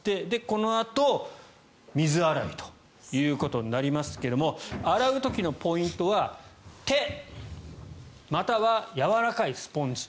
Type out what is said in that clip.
このあと水洗いということになりますけども洗う時のポイントは手、またはやわらかいスポンジ。